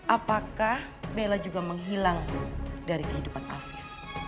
apakah bella juga menghilang dari kehidupan afif